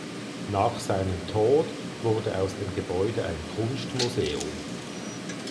Nach seinem Tod wurde aus dem Gebäude ein Kunstmuseum.